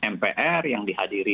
mpr yang dihadiri